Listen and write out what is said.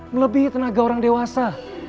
melebihi tenaga orang dewasa